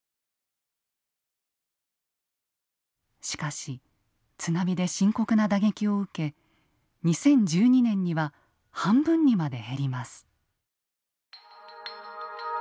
しかし津波で深刻な打撃を受け２０１２年には半分にまで減ります。